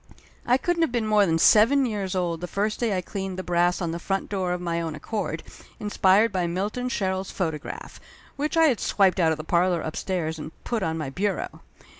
I couldn't have been more than seven years old the first day I cleaned the brass on the front door of my own accord, inspired by Milton Sherrill's photograph, which I had swiped out of the parlor upstairs and put on my bureau.